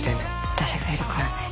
私がいるからね。